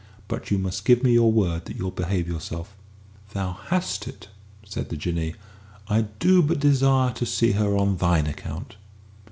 But you must give me your word that you'll behave yourself." "Thou hast it," said the Jinnee; "I do but desire to see her on thine account."